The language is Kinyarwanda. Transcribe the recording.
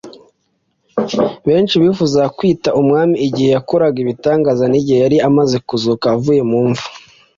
benshi bifuzaga kumwita umwami igihe yakoraga ibitangaza, n’igihe yari amaze kuzuka avuye mu mva;